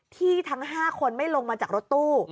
ทั้ง๕คนไม่ลงมาจากรถตู้